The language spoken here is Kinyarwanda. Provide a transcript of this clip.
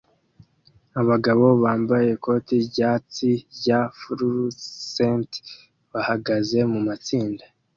Abagabo bambaye ikoti ryatsi rya fluorescent bahagaze mumatsinda